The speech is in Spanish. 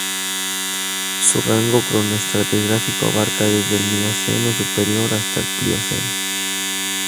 Su rango cronoestratigráfico abarca desde el Mioceno superior hasta el Plioceno.